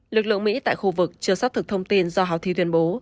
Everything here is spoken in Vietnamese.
lực lượng mỹ tại khu vực chưa xác thực thông tin do houthi tuyên bố